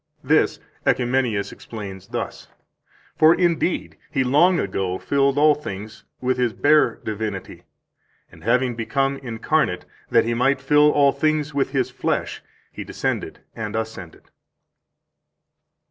This Oecumenius explains thus: "For, indeed, He long ago filled all things with His bare divinity; and having become incarnate, that He might fill all things with His flesh, He descended and ascended."